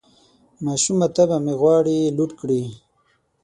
ماشومه طبعه مې غواړي لوټ کړي